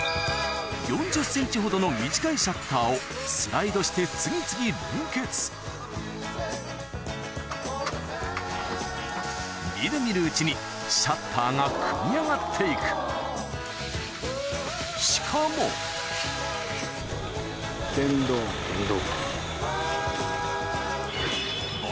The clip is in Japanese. ４０ｃｍほどの短いシャッターをスライドして次々連結見る見るうちにシャッターが組み上がっていくしかも電動。